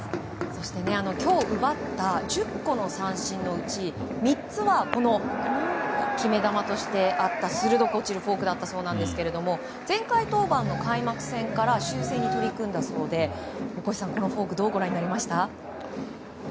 そして今日、奪った１０個の三振のうち３つは、この決め球としてあった鋭く落ちるフォークだったそうなんですが前回登板の開幕戦から修正に取り組んだそうで大越さん、このフォークどうご覧になりました？